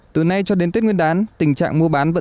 từ nay cho đến tết nguyên đán tình trạng mua bán vận chuyển